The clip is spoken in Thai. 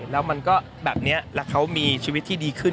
แล้วมันก็แบบนี้แล้วเขามีชีวิตที่ดีขึ้น